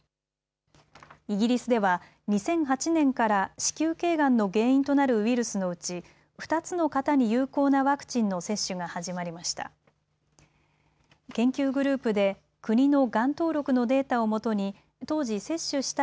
イギリスでは２００８年から子宮けいがんの原因となるウイルスのうち２つの型に有効なワクチンの接種が始まりました。